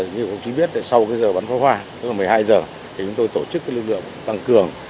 như quý vị biết sau giờ bắn phá hoa tức là một mươi hai h chúng tôi tổ chức lực lượng tăng cường